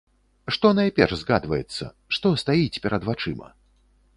Што найперш згадваецца, што стаіць перад вачыма?